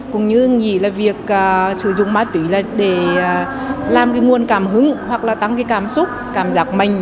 cũng như nghĩ là việc sử dụng ma túy là để làm cái nguồn cảm hứng hoặc là tăng cái cảm xúc cảm giác mạnh